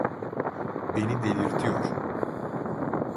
Beni delirtiyor.